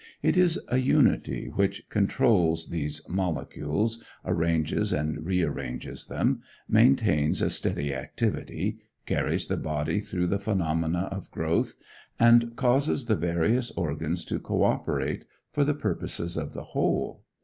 It is a unity which controls these molecules, arranges and rearranges them, maintains a steady activity, carries the body through the phenomena of growth, and causes the various organs to coöperate for the purposes of the whole.